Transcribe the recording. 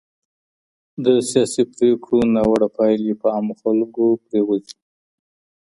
د سياسي پرېکړو ناوړه پايلې په عامو خلګو پرېوځي.